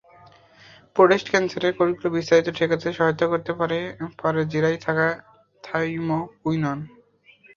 Prostate ক্যানসারের কোষগুলোর বিস্তার ঠেকাতে সহায়তা করতে পারে জিরায় থাকা থাইমোকুইনোন।